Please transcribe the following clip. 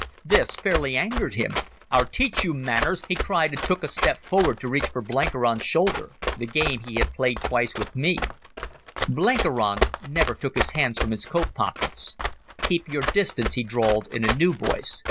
This fairly angered him. "I'll teach you manners," he cried, and took a step forward to reach for Blenkiron's shoulder—the game he had twice played with me. Blenkiron never took his hands from his coat pockets. "Keep your distance," he drawled in a new voice.